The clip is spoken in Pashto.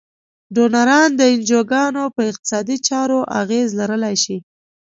ډونران د انجوګانو په اقتصادي چارو اغیز لرلای شي.